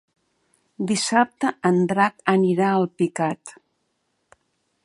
Dissabte en Drac anirà a Alpicat.